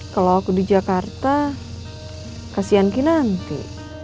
kalau aku di jakarta kasihan kinanti